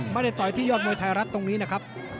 ต่อยที่ยอดมวยไทยรัฐตรงนี้นะครับ